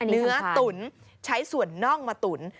เนื้อตุ๋นใช้ส่วนน่องมาตุ๋น